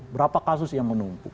berapa kasus yang menumpuk